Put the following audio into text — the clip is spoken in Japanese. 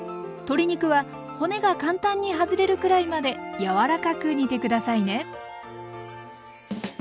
鶏肉は骨が簡単に外れるくらいまで柔らかく煮て下さいね。